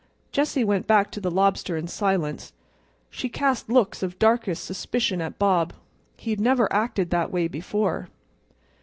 Jessie went back to the lobster in silence. She cast looks of darkest suspicion at Bob. He had never acted that way before.